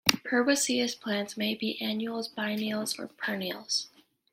Herbaceous plants may be annuals, biennials or perennials.